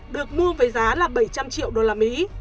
được mua với giá là bảy trăm linh triệu đô la mỹ